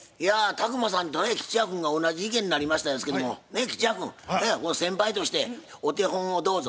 宅麻さんと吉弥君が同じ意見になりましたですけども吉弥君先輩としてお手本をどうぞ。